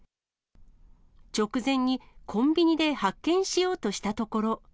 直前にコンビニで発券しようとしたところ。